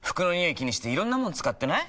気にしていろんなもの使ってない？